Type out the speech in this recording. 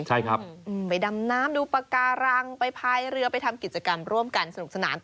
ใช่ครับไปดำน้ำดูปากการังไปพายเรือไปทำกิจกรรมร่วมกันสนุกสนาน